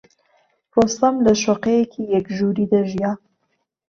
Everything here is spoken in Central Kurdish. ڕۆستەم لە شوقەیەکی یەک ژووری دەژیا.